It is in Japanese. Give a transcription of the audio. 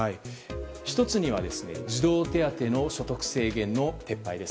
１つには児童手当の所得制限の撤廃です。